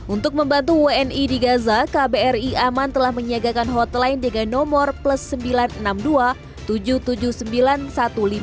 untuk membantu wni di gaza kbri aman telah menyiagakan hotline dengan nomor plus sembilan ratus enam puluh dua tujuh puluh tujuh ribu sembilan ratus lima belas empat ratus tujuh